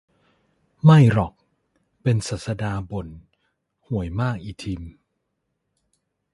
ไม่หรอก เป็นศาสดาบ่น ห่วยมากอีทิม